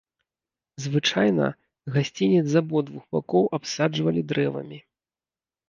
Звычайна, гасцінец з абодвух бакоў абсаджвалі дрэвамі.